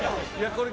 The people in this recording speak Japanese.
これ。